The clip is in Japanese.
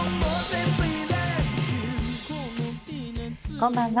こんばんは。